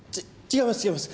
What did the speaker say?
違います。